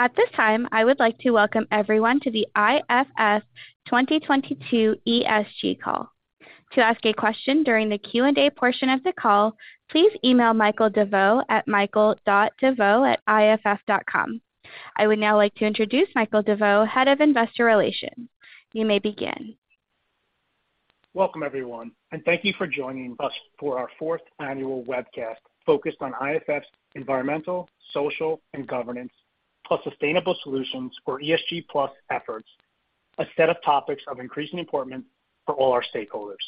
At this time, I would like to welcome everyone to the IFF 2022 ESG call. To ask a question during the Q&A portion of the call, please email Michael DeVeau at michael.deveau@iff.com. I would now like to introduce Michael DeVeau, Head of Investor Relations. You may begin. Welcome, everyone, and thank you for joining us for our fourth annual webcast focused on IFF's environmental, social, and governance, plus sustainable solutions for ESG+ efforts, a set of topics of increasing importance for all our stakeholders.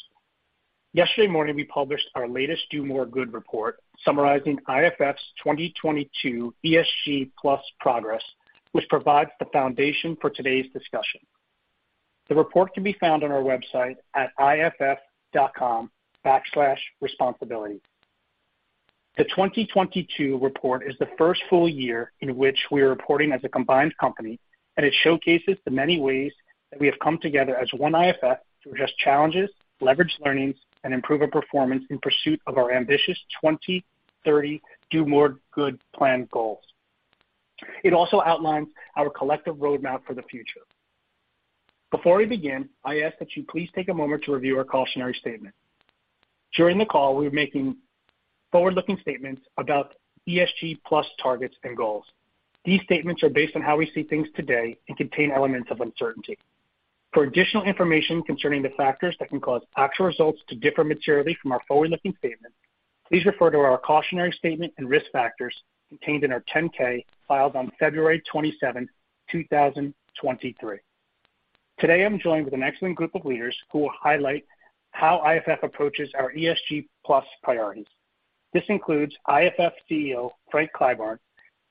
Yesterday morning, we published our latest Do More Good report summarizing IFF's 2022 ESG+ progress, which provides the foundation for today's discussion. The report can be found on our website at iff.com/responsibility. The 2022 report is the first full year in which we are reporting as a combined company, and it showcases the many ways that we have come together as one IFF to address challenges, leverage learnings, and improve our performance in pursuit of our ambitious 2030 Do More Good Plan goals. It also outlines our collective roadmap for the future. Before we begin, I ask that you please take a moment to review our cautionary statement. During the call, we're making forward-looking statements about ESG+ targets and goals. These statements are based on how we see things today and contain elements of uncertainty. For additional information concerning the factors that can cause actual results to differ materially from our forward-looking statements, please refer to our cautionary statement and risk factors contained in our 10-K filed on February 27th, 2023. Today, I'm joined with an excellent group of leaders who will highlight how IFF approaches our ESG+ priorities. This includes IFF CEO, Frank Clyburn,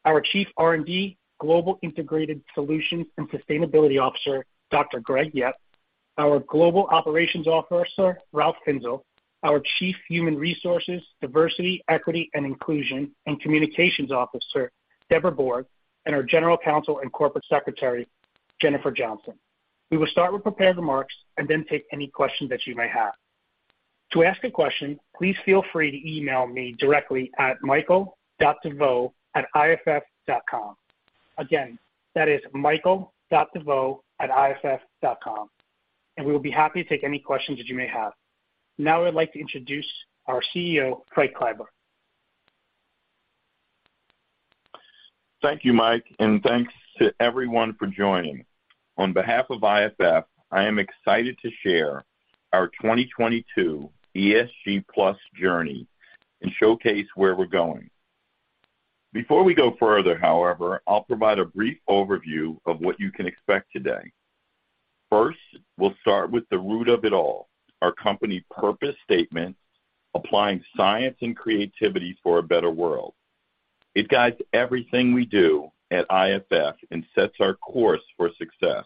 our Chief R&D, Global Integrated Solutions, and Sustainability Officer, Dr. Greg Yep, our Global Operations Officer, Ralf Finzel, our Chief Human Resources, Diversity, Equity, and Inclusion, and Communications Officer, Deborah Borg, and our General Counsel and Corporate Secretary, Jennifer Johnson. We will start with prepared remarks and then take any questions that you may have. To ask a question, please feel free to email me directly at michael.deveau@iff.com. Again, that is michael.deveau@iff.com. We will be happy to take any questions that you may have. Now I'd like to introduce our CEO, Frank Clyburn. Thank you, Mike, and thanks to everyone for joining. On behalf of IFF, I am excited to share our 2022 ESG+ journey and showcase where we're going. Before we go further, however, I'll provide a brief overview of what you can expect today. First, we'll start with the root of it all, our company purpose statement, applying science and creativity for a better world. It guides everything we do at IFF and sets our course for success.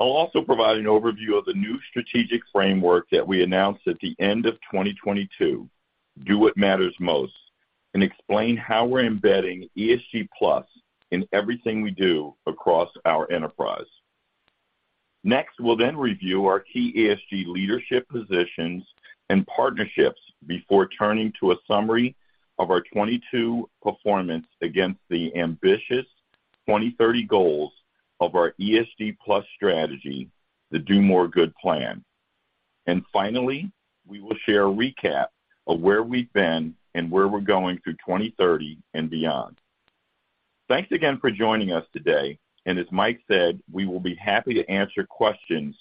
I'll also provide an overview of the new strategic framework that we announced at the end of 2022, Do What Matters Most, and explain how we're embedding ESG+ in everything we do across our enterprise. Next, we'll review our key ESG leadership positions and partnerships before turning to a summary of our 2022 performance against the ambitious 2030 goals of our ESG+ strategy, the Do More Good Plan. Finally, we will share a recap of where we've been and where we're going through 2030 and beyond. Thanks again for joining us today, As Mike said, we will be happy to answer questions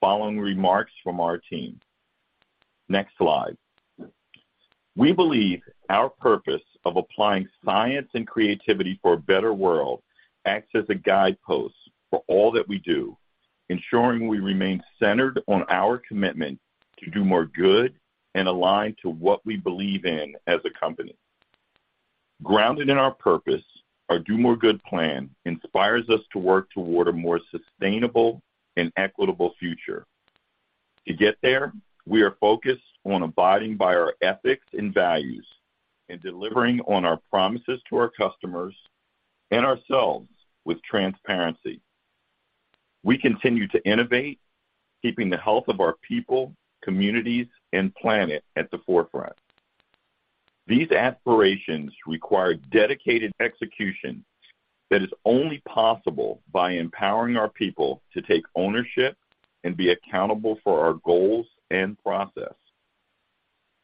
following remarks from our team. Next slide. We believe our purpose of applying science and creativity for a better world acts as a guidepost for all that we do, ensuring we remain centered on our commitment to do more good and align to what we believe in as a company. Grounded in our purpose, our Do More Good Plan inspires us to work toward a more sustainable and equitable future. To get there, we are focused on abiding by our ethics and values and delivering on our promises to our customers and ourselves with transparency. We continue to innovate, keeping the health of our people, communities, and planet at the forefront. These aspirations require dedicated execution that is only possible by empowering our people to take ownership and be accountable for our goals and process.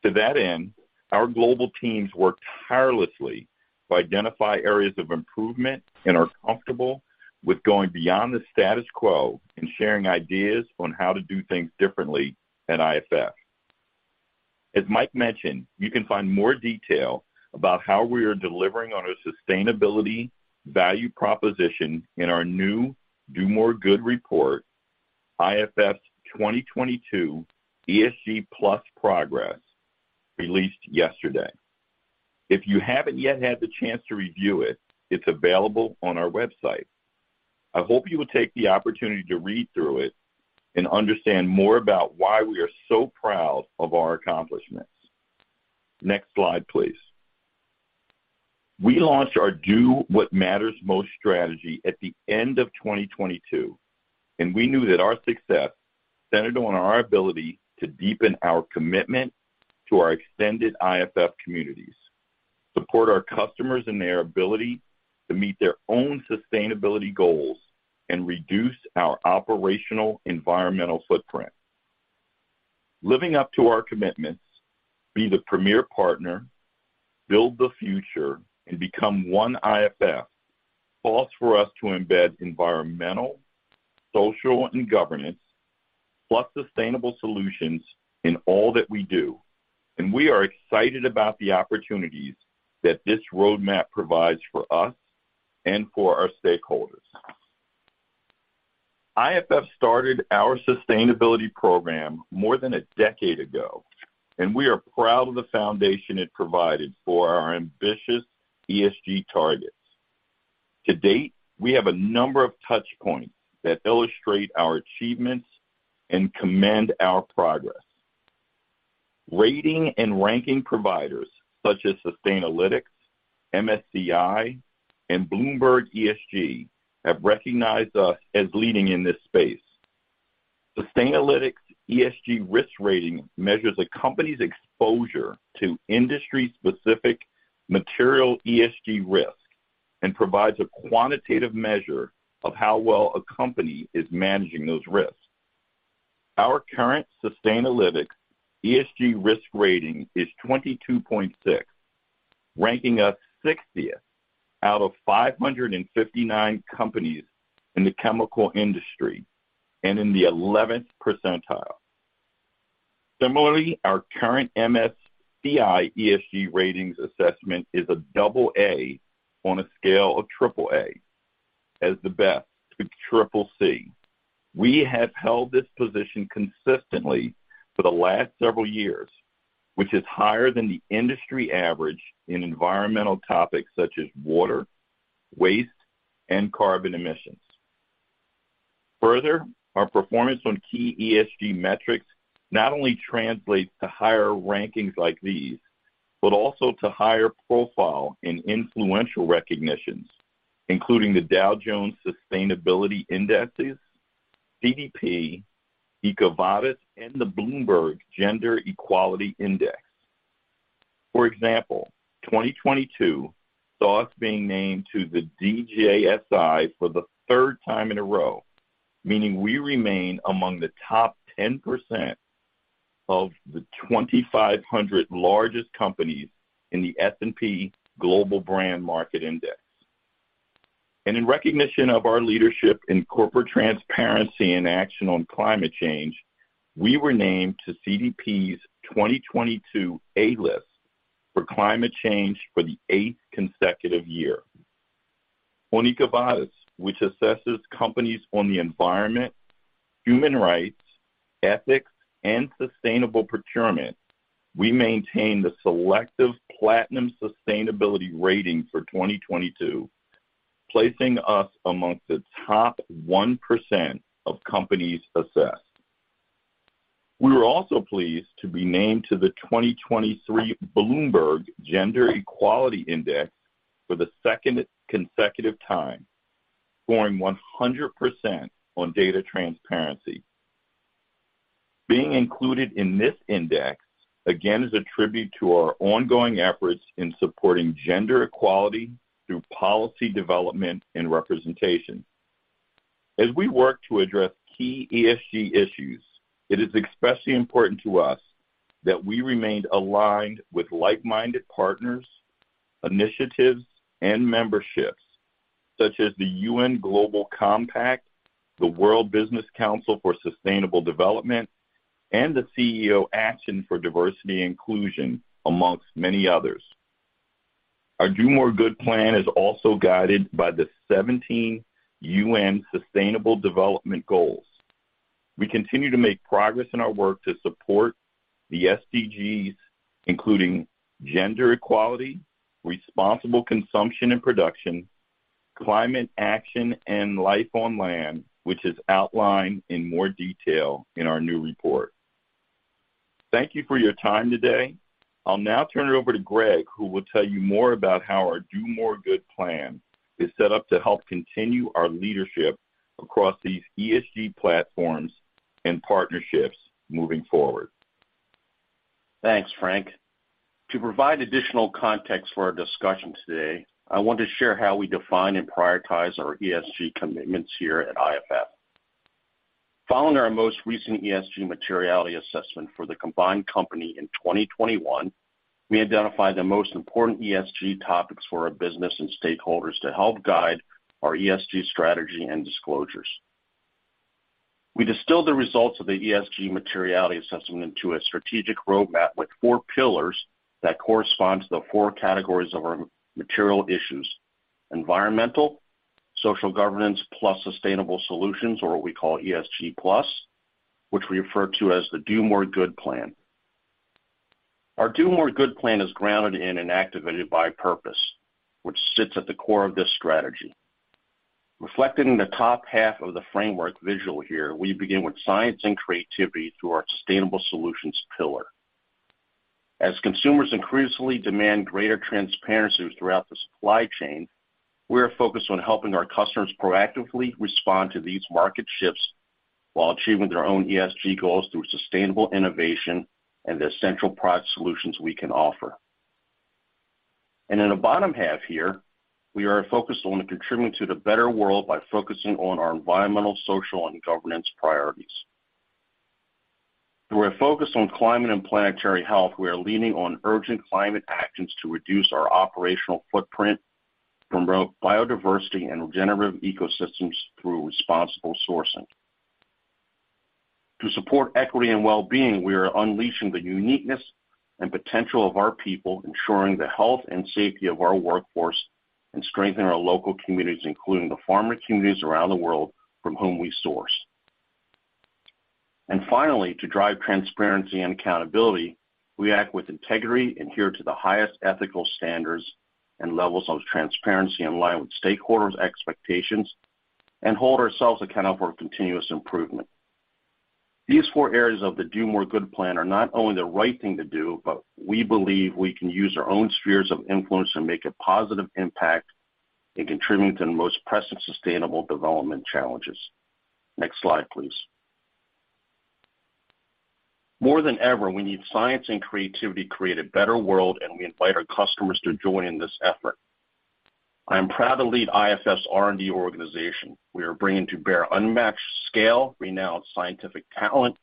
To that end, our global teams work tirelessly to identify areas of improvement and are comfortable with going beyond the status quo and sharing ideas on how to do things differently at IFF. As Mike mentioned, you can find more detail about how we are delivering on a sustainability value proposition in our new Do More Good report, IFF's 2022 ESG+ progress, released yesterday. If you haven't yet had the chance to review it's available on our website. I hope you will take the opportunity to read through it and understand more about why we are so proud of our accomplishments. Next slide, please. We launched our Do What Matters Most strategy at the end of 2022. We knew that our success centered on our ability to deepen our commitment to our extended IFF communities, support our customers in their ability to meet their own sustainability goals, and reduce our operational environmental footprint. Living up to our commitments, be the premier partner, build the future, and become one IFF calls for us to embed environmental, social, and governance, plus sustainable solutions in all that we do. We are excited about the opportunities that this roadmap provides for us and for our stakeholders. IFF started our sustainability program more than a decade ago, and we are proud of the foundation it provided for our ambitious ESG targets. To date, we have a number of touch points that illustrate our achievements and commend our progress. Rating and ranking providers such as Sustainalytics, MSCI, and Bloomberg ESG have recognized us as leading in this space. Sustainalytics ESG risk rating measures a company's exposure to industry-specific material ESG risk and provides a quantitative measure of how well a company is managing those risks. Our current Sustainalytics ESG risk rating is 22.6, ranking us 60th out of 559 companies in the chemical industry and in the 11th percentile. Similarly, our current MSCI ESG ratings assessment is a AA on a scale of AAA as the best to CCC. We have held this position consistently for the last several years, which is higher than the industry average in environmental topics such as water, waste, and carbon emissions. Further, our performance on key ESG metrics not only translates to higher rankings like these, but also to higher profile and influential recognitions, including the Dow Jones Sustainability Indices, CDP, EcoVadis, and the Bloomberg Gender-Equality Index. For example, 2022 saw us being named to the DJSI for the third time in a row, meaning we remain among the top 10% of the 2,500 largest companies in the S&P Global Broad Market Index. In recognition of our leadership in corporate transparency and action on climate change, we were named to CDP's 2022 A list for climate change for the eighth consecutive year. On EcoVadis, which assesses companies on the environment, human rights, ethics, and sustainable procurement, we maintained the selective platinum sustainability rating for 2022, placing us amongst the top 1% of companies assessed. We were also pleased to be named to the 2023 Bloomberg Gender-Equality Index for the second consecutive time, scoring 100% on data transparency. Being included in this index, again, is a tribute to our ongoing efforts in supporting gender equality through policy development and representation. As we work to address key ESG issues, it is especially important to us that we remained aligned with like-minded partners, initiatives, and memberships such as the UN Global Compact, the World Business Council for Sustainable Development, and the CEO Action for Diversity & Inclusion, amongst many others. Our Do More Good Plan is also guided by the 17 UN Sustainable Development Goals. We continue to make progress in our work to support the SDGs, including gender equality, responsible consumption and production, climate action, and life on land, which is outlined in more detail in our new report. Thank you for your time today. I'll now turn it over to Greg, who will tell you more about how our Do More Good Plan is set up to help continue our leadership across these ESG platforms and partnerships moving forward. Thanks, Frank. To provide additional context for our discussion today, I want to share how we define and prioritize our ESG commitments here at IFF. Following our most recent ESG materiality assessment for the combined company in 2021, we identified the most important ESG topics for our business and stakeholders to help guide our ESG strategy and disclosures. We distilled the results of the ESG materiality assessment into a strategic roadmap with four pillars that correspond to the four categories of our material issues: environmental, social, governance, plus sustainable solutions, or what we call ESG+, which we refer to as the Do More Good plan. Our Do More Good plan is grounded in and activated by purpose, which sits at the core of this strategy. Reflected in the top half of the framework visual here, we begin with science and creativity through our sustainable solutions pillar. As consumers increasingly demand greater transparency throughout the supply chain, we are focused on helping our customers proactively respond to these market shifts while achieving their own ESG goals through sustainable innovation and the essential product solutions we can offer. In the bottom half here, we are focused on contributing to the better world by focusing on our environmental, social, and governance priorities. Through our focus on climate and planetary health, we are leaning on urgent climate actions to reduce our operational footprint, promote biodiversity and regenerative ecosystems through responsible sourcing. To support equity and well-being, we are unleashing the uniqueness and potential of our people, ensuring the health and safety of our workforce, and strengthening our local communities, including the farmer communities around the world from whom we source. Finally, to drive transparency and accountability, we act with integrity, adhere to the highest ethical standards and levels of transparency in line with stakeholders' expectations, and hold ourselves accountable for continuous improvement. These four areas of the Do More Good Plan are not only the right thing to do, but we believe we can use our own spheres of influence to make a positive impact and contribute to the most pressing sustainable development challenges. Next slide, please. More than ever, we need science and creativity to create a better world, and we invite our customers to join in this effort. I am proud to lead IFF R&D organization. We are bringing to bear unmatched scale, renowned scientific talent,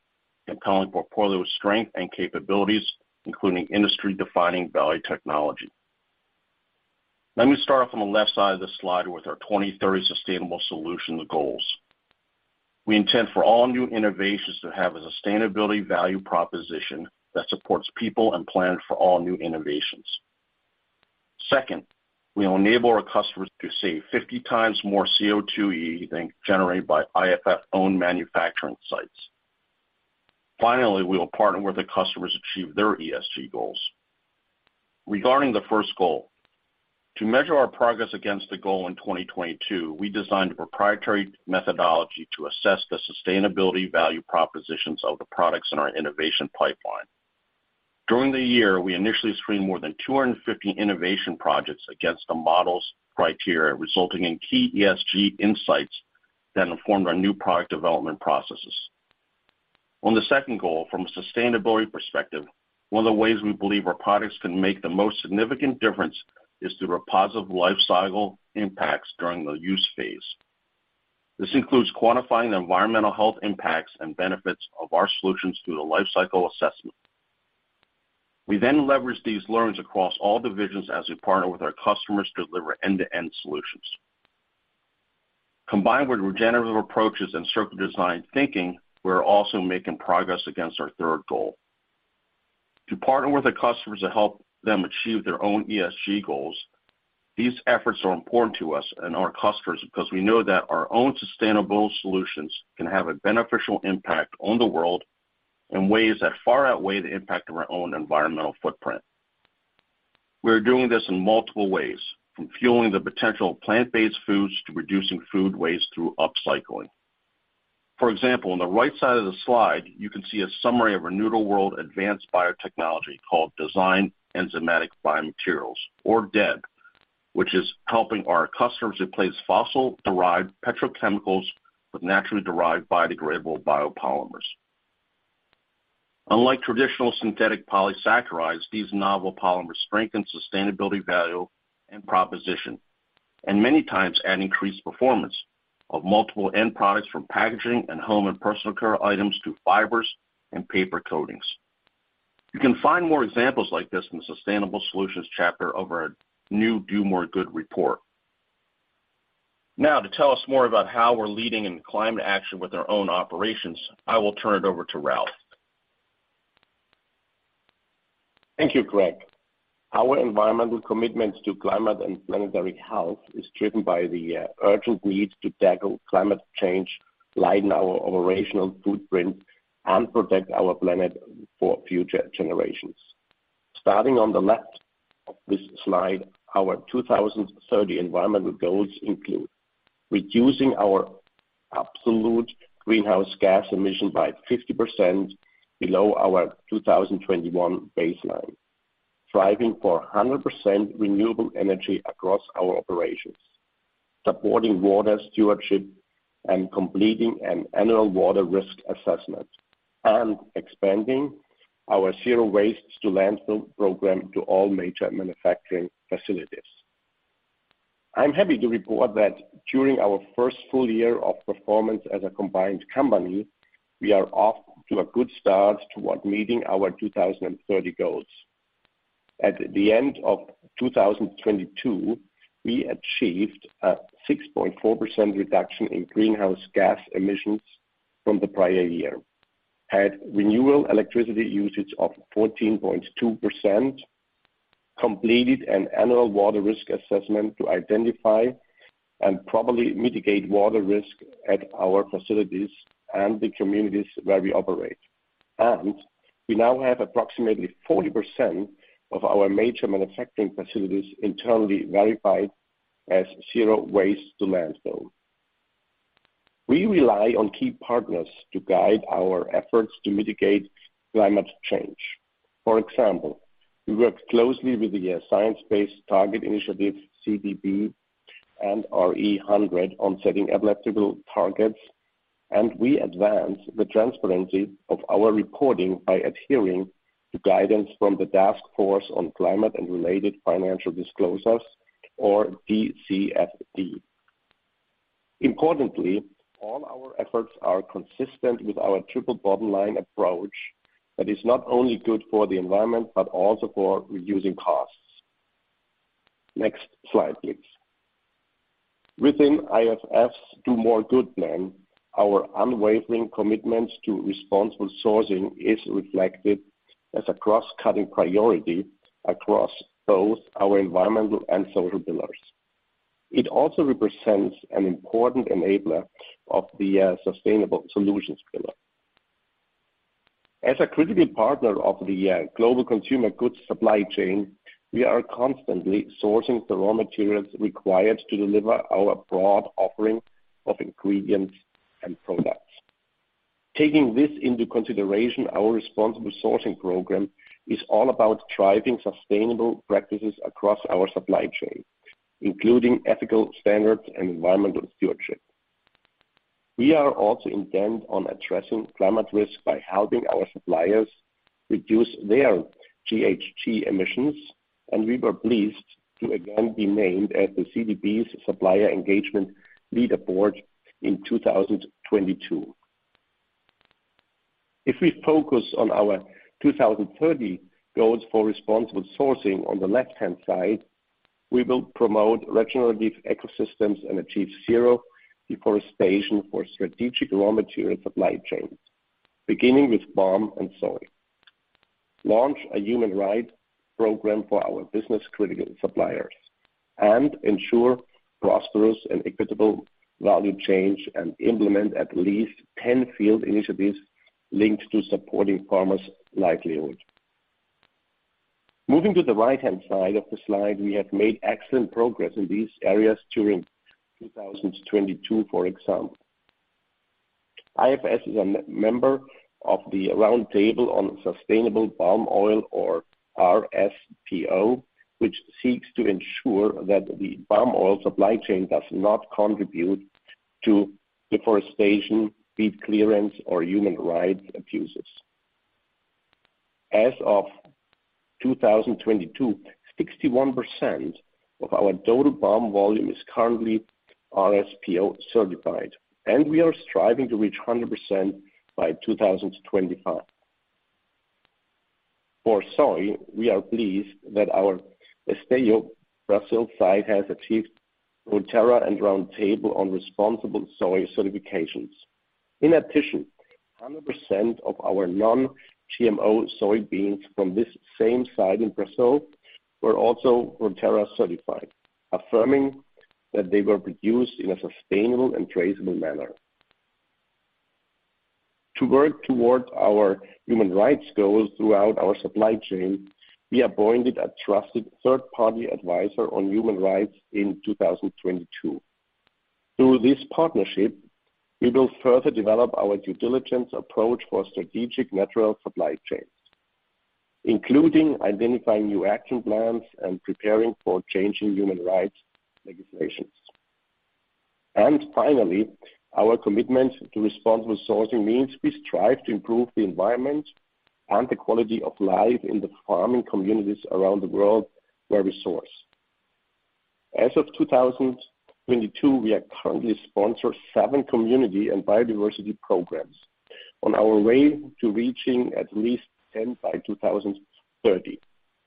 compelling portfolio strength and capabilities, including industry-defining value technology. Let me start off on the left side of the slide with our 2030 sustainable solution goals. We intend for all new innovations to have a sustainability value proposition that supports people and planet for all new innovations. Second, we will enable our customers to save 50 times more CO2e than generated by IFF-owned manufacturing sites. Finally, we will partner with the customers to achieve their ESG goals. Regarding the first goal, to measure our progress against the goal in 2022, we designed a proprietary methodology to assess the sustainability value propositions of the products in our innovation pipeline. During the year, we initially screened more than 250 innovation projects against the model's criteria, resulting in key ESG insights that informed our new product development processes. On the second goal, from a sustainability perspective, one of the ways we believe our products can make the most significant difference is through a positive lifecycle impacts during the use phase. This includes quantifying the environmental health impacts and benefits of our solutions through the Life Cycle Assessment. We then leverage these learnings across all divisions as we partner with our customers to deliver end-to-end solutions. Combined with regenerative approaches and circular design thinking, we're also making progress against our third goal. To partner with our customers to help them achieve their own ESG goals, these efforts are important to us and our customers because we know that our own sustainable solutions can have a beneficial impact on the world in ways that far outweigh the impact of our own environmental footprint. We are doing this in multiple ways, from fueling the potential of plant-based foods to reducing food waste through upcycling. For example, on the right side of the slide, you can see a summary of our Noodle World advanced biotechnology called Designed Enzymatic Biomaterials, or DEB, which is helping our customers replace fossil-derived petrochemicals with naturally derived biodegradable biopolymers. Unlike traditional synthetic polysaccharides, these novel polymers strengthen sustainability value and proposition, and many times add increased performance of multiple end products from packaging and home and personal care items to fibers and paper coatings. You can find more examples like this in the Sustainable Solutions chapter of our new Do More Good report. Now, to tell us more about how we're leading in climate action with our own operations, I will turn it over to Ralf. Thank you, Greg. Our environmental commitments to climate and planetary health is driven by the urgent need to tackle climate change, lighten our operational footprint, and protect our planet for future generations. Starting on the left of this slide, our 2030 environmental goals include reducing our absolute greenhouse gas emission by 50% below our 2021 baseline, striving for 100% renewable energy across our operations, supporting water stewardship and completing an annual water risk assessment, and expanding our zero waste to landfill program to all major manufacturing facilities. I'm happy to report that during our first full year of performance as a combined company, we are off to a good start toward meeting our 2030 goals. At the end of 2022, we achieved a 6.4% reduction in greenhouse gas emissions from the prior year. Had renewable electricity usage of 14.2%, completed an annual water risk assessment to identify and properly mitigate water risk at our facilities and the communities where we operate. We now have approximately 40% of our major manufacturing facilities internally verified as zero waste to landfill. We rely on key partners to guide our efforts to mitigate climate change. For example, we work closely with the Science Based Targets initiative, CDP, and RE100 on setting applicable targets, and we advance the transparency of our reporting by adhering to guidance from the Task Force on Climate-related Financial Disclosures or TCFD. Importantly, all our efforts are consistent with our Triple Bottom Line approach that is not only good for the environment, but also for reducing costs. Next slide, please. Within IFF's Do More Good Plan, our unwavering commitments to responsible sourcing is reflected as a cross-cutting priority across both our environmental and social pillars. It also represents an important enabler of the sustainable solutions pillar. As a critical partner of the global consumer goods supply chain, we are constantly sourcing the raw materials required to deliver our broad offering of ingredients and products. Taking this into consideration, our responsible sourcing program is all about driving sustainable practices across our supply chain, including ethical standards and environmental stewardship. We are also intent on addressing climate risk by helping our suppliers reduce their GHG emissions, and we were pleased to again be named at the CDP's Supplier Engagement Leaderboard in 2022. If we focus on our 2030 goals for responsible sourcing on the left-hand side, we will promote regenerative ecosystems and achieve zero deforestation for strategic raw material supply chains, beginning with palm and soy. Launch a human rights program for our business-critical suppliers and ensure prosperous and equitable value change and implement at least 10 field initiatives linked to supporting farmers' livelihood. Moving to the right-hand side of the slide, we have made excellent progress in these areas during 2022, for example. IFF is a member of the Roundtable on Sustainable Palm Oil or RSPO, which seeks to ensure that the palm oil supply chain does not contribute to deforestation, deed clearance or human rights abuses. As of 2022, 61% of our total palm volume is currently RSPO certified, and we are striving to reach 100% by 2025. For soy, we are pleased that our Esteio Brazil site has achieved UTZ and Round Table on Responsible Soy certifications. In addition, 100% of our non-GMO soybeans from this same site in Brazil were also UTZ certified, affirming that they were produced in a sustainable and traceable manner. To work towards our human rights goals throughout our supply chain, we appointed a trusted third-party advisor on human rights in 2022. Through this partnership, we will further develop our due diligence approach for strategic natural supply chains, including identifying new action plans and preparing for changing human rights legislations. Finally, our commitment to responsible sourcing means we strive to improve the environment and the quality of life in the farming communities around the world where we source. As of 2022, we are currently sponsor seven community and biodiversity programs on our way to reaching at least 10 by 2030,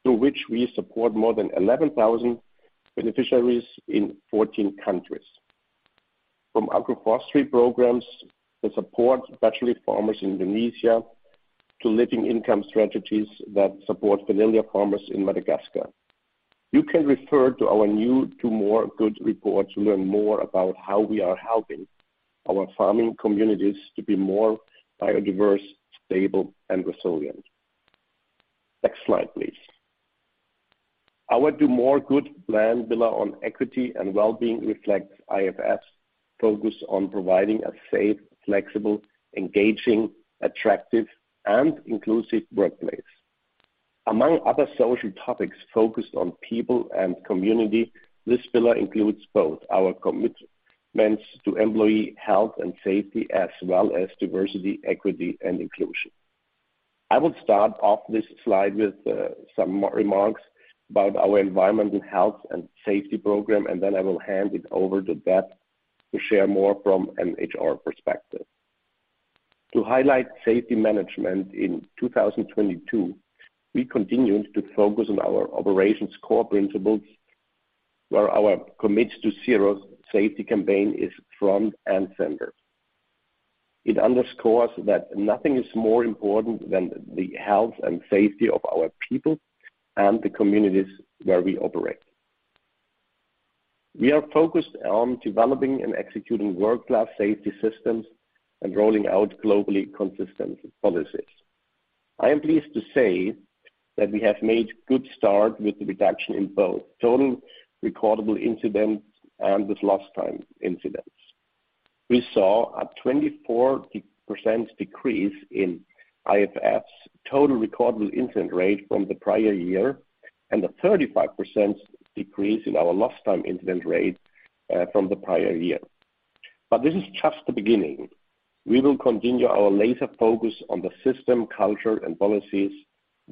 through which we support more than 11,000 beneficiaries in 14 countries. From agroforestry programs that support patchouli farmers in Indonesia to living income strategies that support vanilla farmers in Madagascar. You can refer to our new Do More Good report to learn more about how we are helping our farming communities to be more biodiverse, stable and resilient. Next slide, please. Our Do More Good Plan pillar on equity and well-being reflects IFF's focus on providing a safe, flexible, engaging, attractive and inclusive workplace. Among other social topics focused on people and community, this pillar includes both our commitments to employee health and safety as well as diversity, equity and inclusion. I will start off this slide with some more remarks about our environmental health and safety program, and then I will hand it over to Beth to share more from an HR perspective. To highlight safety management in 2022, we continued to focus on our operations core principles, where our Commit to Zero safety campaign is front and center. It underscores that nothing is more important than the health and safety of our people and the communities where we operate. We are focused on developing and executing world-class safety systems and rolling out globally consistent policies. I am pleased to say that we have made good start with the reduction in both total recordable incidents and with lost time incidents. We saw a 24% decrease in IFF's total recordable incident rate from the prior year and a 35% decrease in our lost time incident rate from the prior year. This is just the beginning. We will continue our laser focus on the system, culture and policies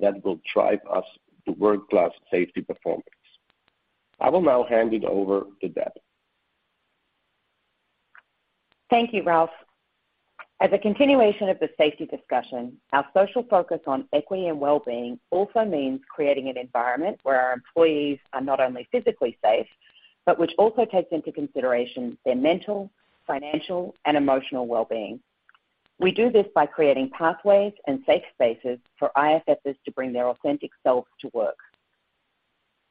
that will drive us to world-class safety performance. I will now hand it over to Deb. Thank you, Ralf. As a continuation of the safety discussion, our social focus on equity and well-being also means creating an environment where our employees are not only physically safe, but which also takes into consideration their mental, financial and emotional well-being. We do this by creating pathways and safe spaces for IFFers to bring their authentic selves to work.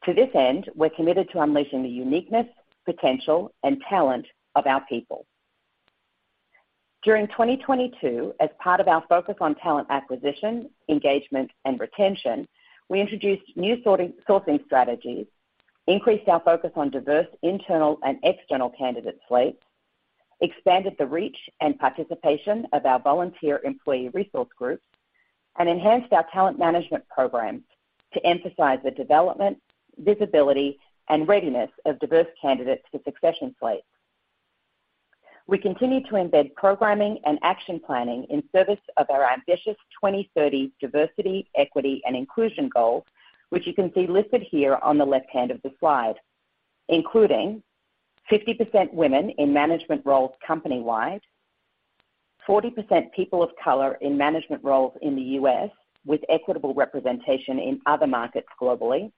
To this end, we're committed to unleashing the uniqueness, potential and talent of our people. During 2022, as part of our focus on talent acquisition, engagement and retention, we introduced new sourcing strategies, increased our focus on diverse internal and external candidate slates, expanded the reach and participation of our volunteer employee resource groups, and enhanced our talent management programs to emphasize the development, visibility and readiness of diverse candidates for succession slates. We continue to embed programming and action planning in service of our ambitious 2030 diversity, equity and inclusion goals, which you can see listed here on the left hand of the slide, including 50% women in management roles company-wide, 40% people of color in management roles in the U.S., with equitable representation in other markets globally.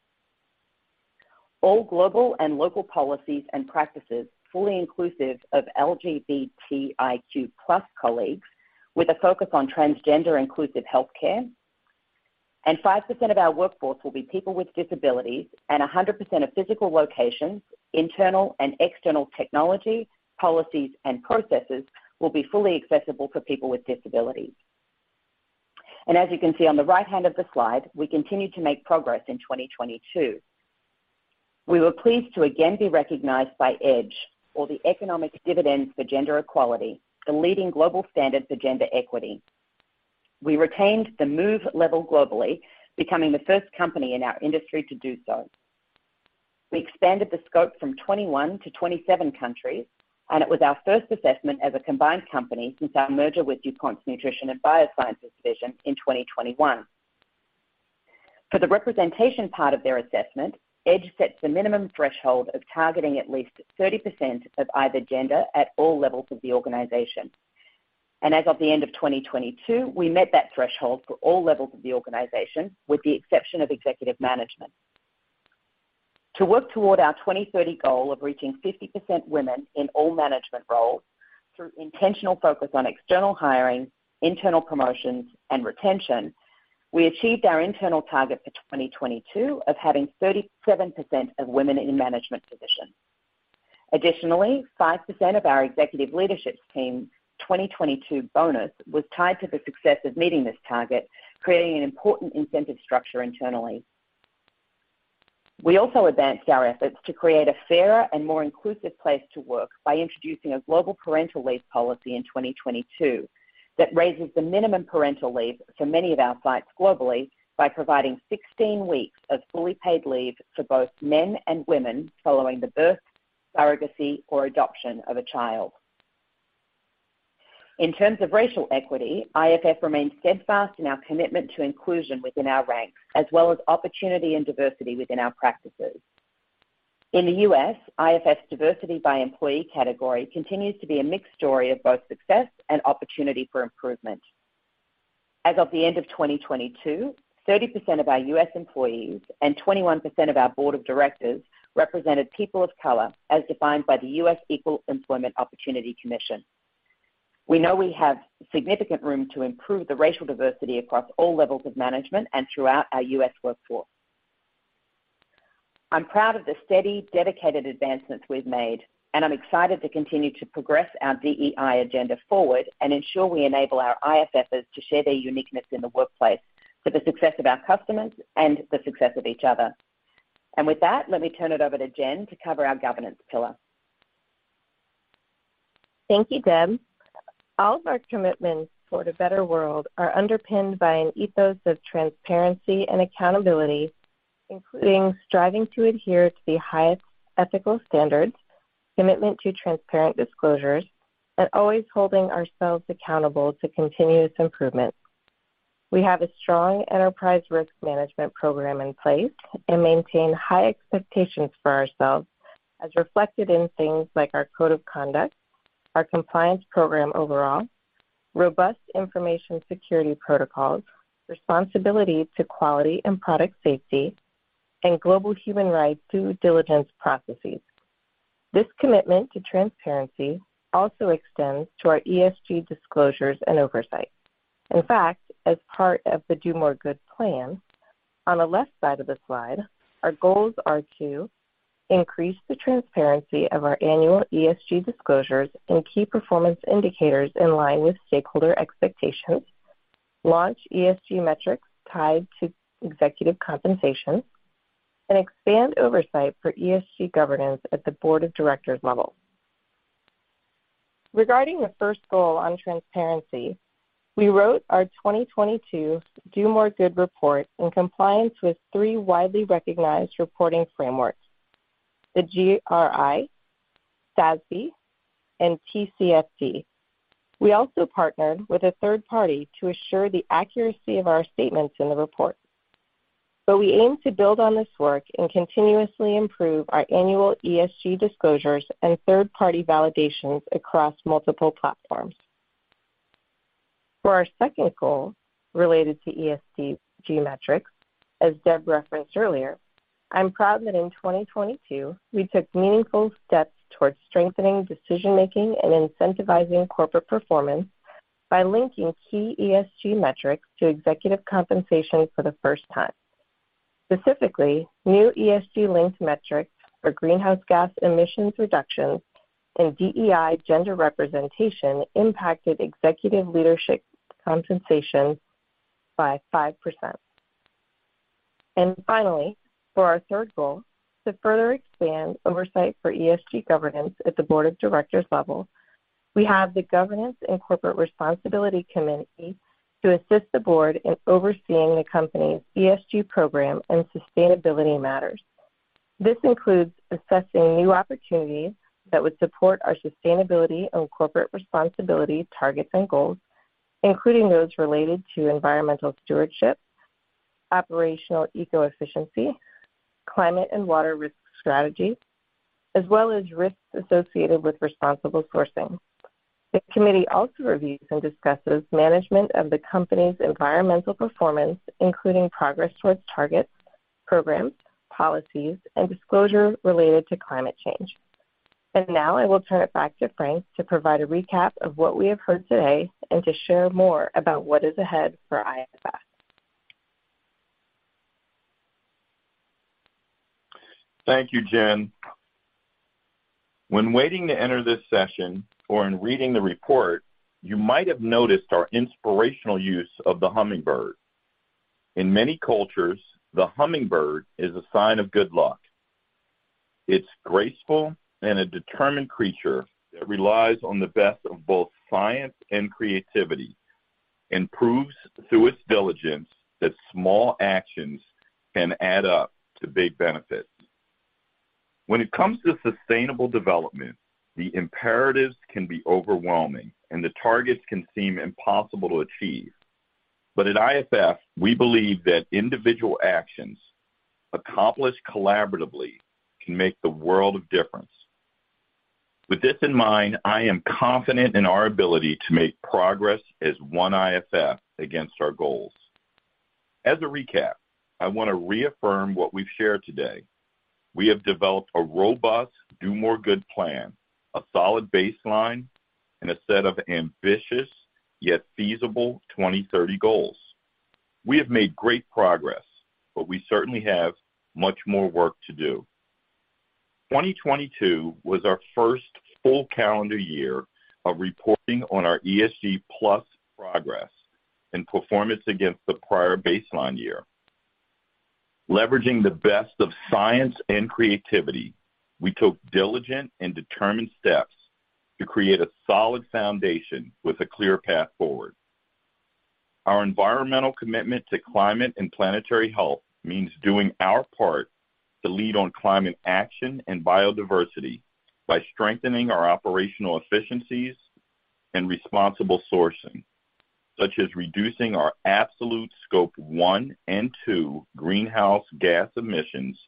All global and local policies and practices fully inclusive of LGBTIQ+ colleagues with a focus on transgender inclusive healthcare. 5% of our workforce will be people with disabilities and 100% of physical locations, internal and external technology, policies and processes will be fully accessible for people with disabilities. As you can see on the right hand of the slide, we continue to make progress in 2022. We were pleased to again be recognized by EDGE or the Economic Dividends for Gender Equality, the leading global standard for gender equity. We retained the Move level globally, becoming the first company in our industry to do so. We expanded the scope from 21 to 27 countries. It was our first assessment as a combined company since our merger with DuPont's Nutrition & Biosciences division in 2021. For the representation part of their assessment, EDGE sets the minimum threshold of targeting at least 30% of either gender at all levels of the organization. As of the end of 2022, we met that threshold for all levels of the organization, with the exception of executive management. To work toward our 2030 goal of reaching 50% women in all management roles through intentional focus on external hiring, internal promotions and retention, we achieved our internal target for 2022 of having 37% of women in management positions. Five percent of our executive leadership team 2022 bonus was tied to the success of meeting this target, creating an important incentive structure internally. We also advanced our efforts to create a fairer and more inclusive place to work by introducing a global parental leave policy in 2022 that raises the minimum parental leave for many of our sites globally by providing 16 weeks of fully paid leave for both men and women following the birth, surrogacy or adoption of a child. In terms of racial equity, IFF remains steadfast in our commitment to inclusion within our ranks, as well as opportunity and diversity within our practices. In the U.S., IFF's diversity by employee category continues to be a mixed story of both success and opportunity for improvement. As of the end of 2022, 30% of our U.S. employees and 21% of our board of directors represented people of color, as defined by the U.S. Equal Employment Opportunity Commission. We know we have significant room to improve the racial diversity across all levels of management and throughout our U.S. workforce. I'm proud of the steady, dedicated advancements we've made, I'm excited to continue to progress our DEI agenda forward and ensure we enable our IFFers to share their uniqueness in the workplace for the success of our customers and the success of each other. With that, let me turn it over to Jen to cover our governance pillar. Thank you, Deb. All of our commitments toward a better world are underpinned by an ethos of transparency and accountability, including striving to adhere to the highest ethical standards, commitment to transparent disclosures, and always holding ourselves accountable to continuous improvement. We have a strong enterprise risk management program in place and maintain high expectations for ourselves as reflected in things like our code of conduct, our compliance program overall, robust information security protocols, responsibility to quality and product safety, and global human rights due diligence processes. This commitment to transparency also extends to our ESG disclosures and oversight. In fact, as part of the Do More Good Plan. On the left side of the slide, our goals are to increase the transparency of our annual ESG disclosures and key performance indicators in line with stakeholder expectations, launch ESG metrics tied to executive compensation, and expand oversight for ESG governance at the board of directors level. Regarding the first goal on transparency, we wrote our 2022 Do More Good report in compliance with three widely recognized reporting frameworks: the GRI, SASB, and TCFD. We also partnered with a third party to assure the accuracy of our statements in the report. We aim to build on this work and continuously improve our annual ESG disclosures and third-party validations across multiple platforms. For our second goal related to ESG metrics, as Deb referenced earlier, I'm proud that in 2022 we took meaningful steps towards strengthening decision-making and incentivizing corporate performance by linking key ESG metrics to executive compensation for the first time. Specifically, new ESG-linked metrics for greenhouse gas emissions reductions and DEI gender representation impacted executive leadership compensation by 5%. Finally, for our third goal to further expand oversight for ESG governance at the Board of Directors level, we have the Governance & Corporate Responsibility Committee to assist the Board in overseeing the company's ESG program and sustainability matters. This includes assessing new opportunities that would support our sustainability and corporate responsibility targets and goals, including those related to environmental stewardship, operational eco-efficiency, climate and water risk strategy, as well as risks associated with responsible sourcing. The committee also reviews and discusses management of the company's environmental performance, including progress towards targets, programs, policies, and disclosure related to climate change. Now I will turn it back to Frank to provide a recap of what we have heard today and to share more about what is ahead for IFF. Thank you, Jen. When waiting to enter this session or in reading the report, you might have noticed our inspirational use of the hummingbird. In many cultures, the hummingbird is a sign of good luck. It's graceful and a determined creature that relies on the best of both science and creativity, and proves through its diligence that small actions can add up to big benefits. When it comes to sustainable development, the imperatives can be overwhelming and the targets can seem impossible to achieve. At IFF, we believe that individual actions accomplished collaboratively can make the world of difference. With this in mind, I am confident in our ability to make progress as one IFF against our goals. As a recap, I want to reaffirm what we've shared today. We have developed a robust Do More Good Plan, a solid baseline, and a set of ambitious yet feasible 2030 goals. We have made great progress, but we certainly have much more work to do. 2022 was our first full calendar year of reporting on our ESG+ progress and performance against the prior baseline year. Leveraging the best of science and creativity, we took diligent and determined steps to create a solid foundation with a clear path forward. Our environmental commitment to climate and planetary health means doing our part to lead on climate action and biodiversity by strengthening our operational efficiencies and responsible sourcing, such as reducing our absolute Scope 1 and 2 greenhouse gas emissions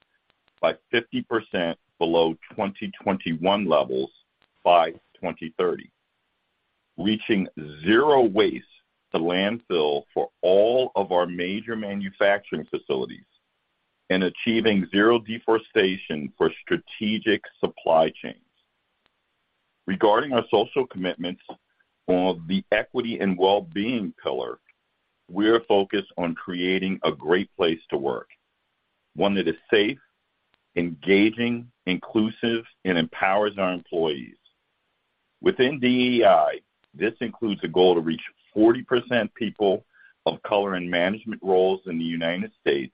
by 50% below 2021 levels by 2030, reaching zero waste to landfill for all of our major manufacturing facilities, and achieving zero deforestation for strategic supply chains. Regarding our social commitments on the equity and well-being pillar, we are focused on creating a great place to work, one that is safe, engaging, inclusive, and empowers our employees. Within DEI, this includes a goal to reach 40% people of color in management roles in the United States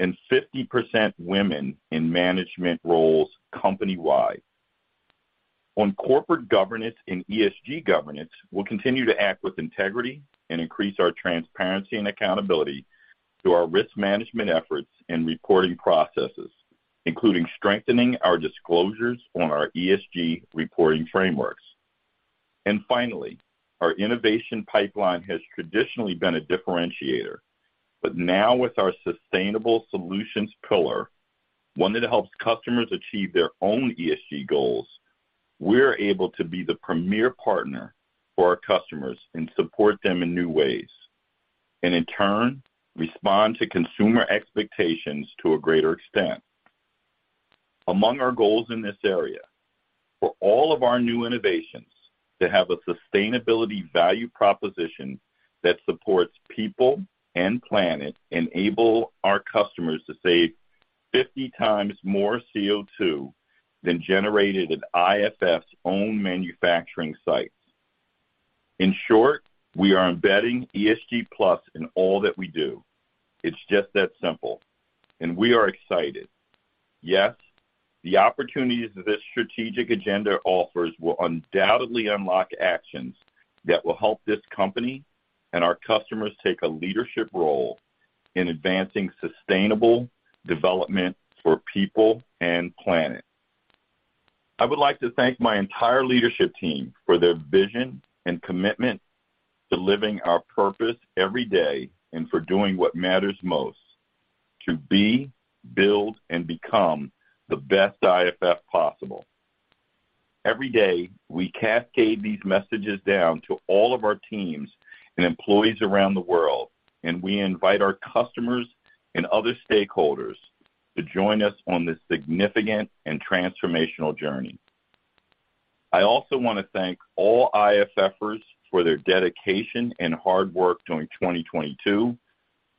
and 50% women in management roles company-wide. On corporate governance and ESG governance, we'll continue to act with integrity and increase our transparency and accountability through our risk management efforts and reporting processes, including strengthening our disclosures on our ESG reporting frameworks. Finally, our innovation pipeline has traditionally been a differentiator. Now with our sustainable solutions pillar, one that helps customers achieve their own ESG goals, we're able to be the premier partner for our customers and support them in new ways, and in turn, respond to consumer expectations to a greater extent. Among our goals in this area, for all of our new innovations to have a sustainability value proposition that supports people and planet enable our customers to save 50 times more CO2 than generated at IFF's own manufacturing sites. In short, we are embedding ESG+ in all that we do. It's just that simple, and we are excited. The opportunities that this strategic agenda offers will undoubtedly unlock actions that will help this company and our customers take a leadership role in advancing sustainable development for people and planet. I would like to thank my entire leadership team for their vision and commitment to living our purpose every day and for doing what matters most, to be, build, and become the best IFF possible. Every day, we cascade these messages down to all of our teams and employees around the world, and we invite our customers and other stakeholders to join us on this significant and transformational journey. I also wanna thank all IFFers for their dedication and hard work during 2022,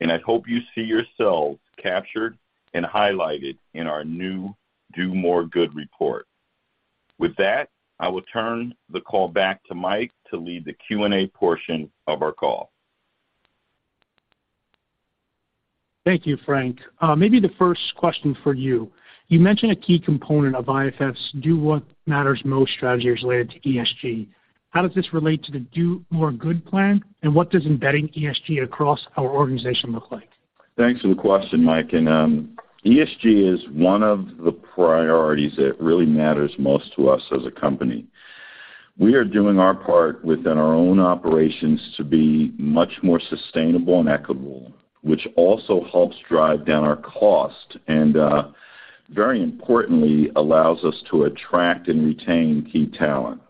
and I hope you see yourselves captured and highlighted in our new Do More Good report. With that, I will turn the call back to Mike to lead the Q&A portion of our call. Thank you, Frank. Maybe the first question for you. You mentioned a key component of IFF's Do What Matters Most strategy is related to ESG. How does this relate to the Do More Good Plan, and what does embedding ESG across our organization look like? Thanks for the question, Mike. ESG is one of the priorities that really matters most to us as a company. We are doing our part within our own operations to be much more sustainable and equitable, which also helps drive down our cost, very importantly, allows us to attract and retain key talent.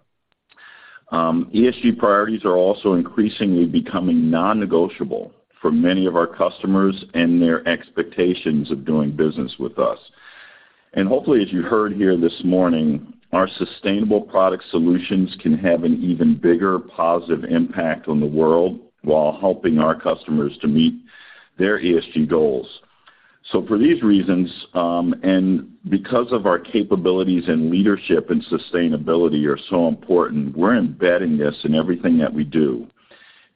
ESG priorities are also increasingly becoming non-negotiable for many of our customers and their expectations of doing business with us. Hopefully, as you heard here this morning, our sustainable product solutions can have an even bigger, positive impact on the world while helping our customers to meet their ESG goals. For these reasons, and because of our capabilities in leadership and sustainability are so important, we're embedding this in everything that we do.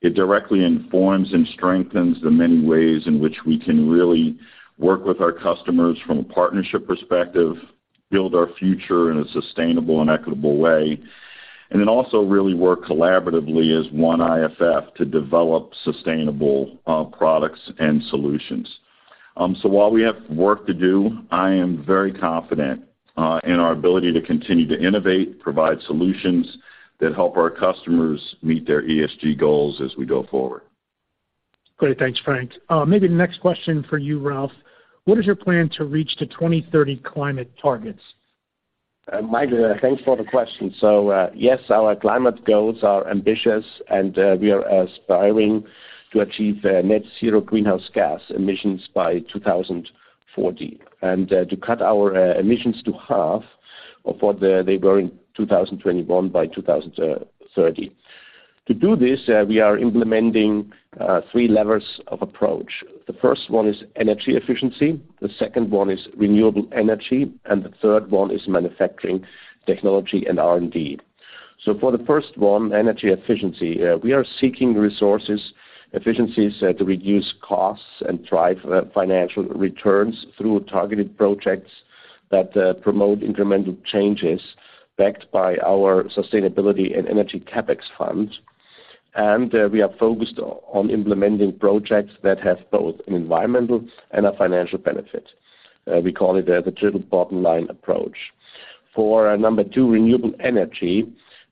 It directly informs and strengthens the many ways in which we can really work with our customers from a partnership perspective, build our future in a sustainable and equitable way, also really work collaboratively as one IFF to develop sustainable products and solutions. While we have work to do, I am very confident in our ability to continue to innovate, provide solutions that help our customers meet their ESG goals as we go forward. Great. Thanks, Frank. Maybe the next question for you, Ralf. What is your plan to reach the 2030 climate targets? Mike, thanks for the question. Yes, our climate goals are ambitious, and we are striving to achieve net zero greenhouse gas emissions by 2040, and to cut our emissions to half of what they were in 2021 by 2030. To do this, we are implementing three levers of approach. The first one is energy efficiency, the second one is renewable energy, and the third one is manufacturing technology and R&D. For the first one, energy efficiency, we are seeking resources efficiencies that reduce costs and drive financial returns through targeted projects that promote incremental changes backed by our sustainability and energy CapEx fund. We are focused on implementing projects that have both an environmental and a financial benefit. We call it the Triple Bottom Line approach. For number two, renewable energy,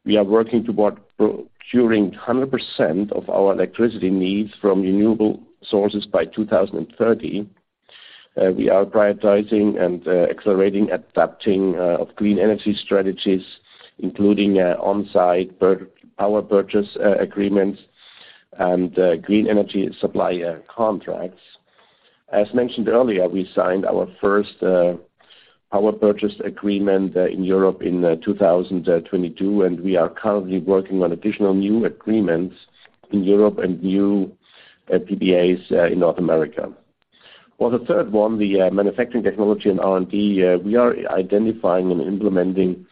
we are working toward procuring 100% of our electricity needs from renewable sources by 2030. We are prioritizing and accelerating adapting of green energy strategies, including on-site Power Purchase Agreements and green energy supplier contracts. As mentioned earlier, we signed our first Power Purchase Agreement in Europe in 2022, and we are currently working on additional new agreements in Europe and new PPAs in North America. For the third one, the manufacturing technology and R&D, we are identifying and implementing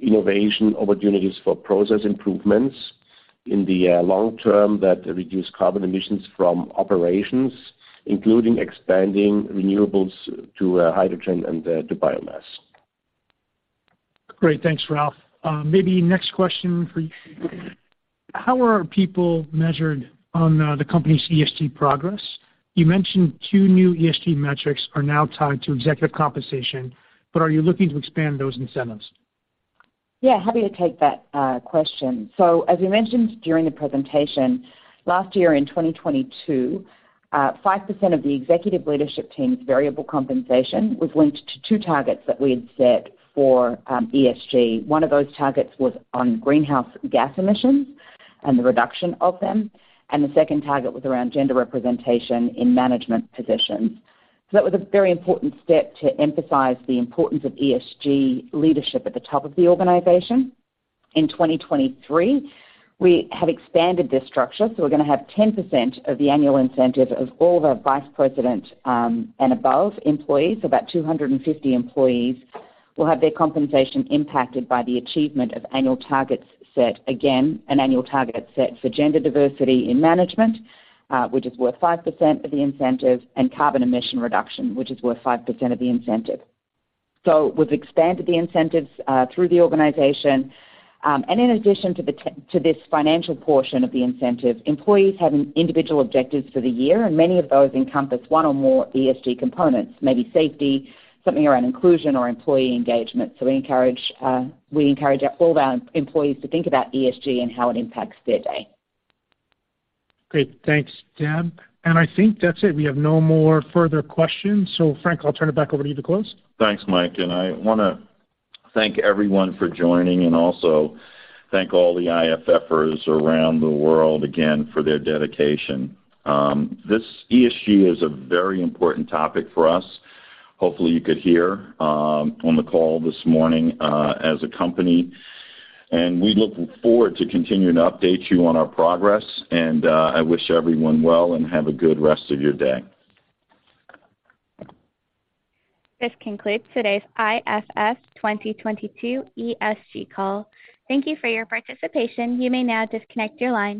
innovation opportunities for process improvements in the long term that reduce carbon emissions from operations, including expanding renewables to hydrogen and to biomass. Great. Thanks, Ralf. Maybe next question for you. How are people measured on the company's ESG progress? You mentioned two new ESG metrics are now tied to executive compensation, but are you looking to expand those incentives? Yeah, happy to take that question. As we mentioned during the presentation, last year in 2022, 5% of the executive leadership team's variable compensation was linked to two targets that we had set for ESG. One of those targets was on greenhouse gas emissions and the reduction of them, and the second target was around gender representation in management positions. That was a very important step to emphasize the importance of ESG leadership at the top of the organization. In 2023, we have expanded this structure, so we're gonna have 10% of the annual incentive of all the vice president and above employees. About 250 employees will have their compensation impacted by the achievement of annual targets set... Again, an annual target set for gender diversity in management, which is worth 5% of the incentive, and carbon emission reduction, which is worth 5% of the incentive. We've expanded the incentives through the organization. In addition to this financial portion of the incentive, employees have an individual objectives for the year, and many of those encompass one or more ESG components, maybe safety, something around inclusion or employee engagement. We encourage all our employees to think about ESG and how it impacts their day. Great. Thanks, Deb. I think that's it. We have no more further questions. Frank, I'll turn it back over to you to close. Thanks, Mike. I wanna thank everyone for joining, and also thank all the IFFers around the world again for their dedication. This ESG is a very important topic for us. Hopefully you could hear on the call this morning as a company, and we look forward to continuing to update you on our progress. I wish everyone well, and have a good rest of your day. This concludes today's IFF 2022 ESG call. Thank you for your participation. You may now disconnect your line.